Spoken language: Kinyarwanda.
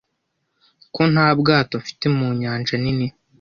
ko nta bwato mfite mu nyanja nini